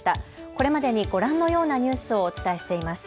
これまでにご覧のようなニュースをお伝えしています。